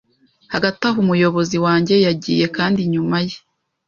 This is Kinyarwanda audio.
Hagati aho Umuyobozi wanjye yagiye kandi inyuma ye